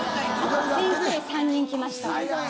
先生３人来ましたとか。